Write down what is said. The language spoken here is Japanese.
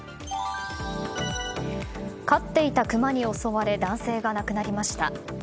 飼っていたクマに襲われ男性が亡くなりました。